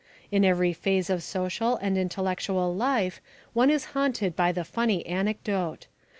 In every phase of social and intellectual life one is haunted by the funny anecdote.